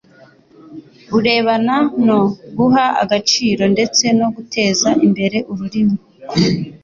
urebana no guha agaciro ndetse no guteza imbere ururimi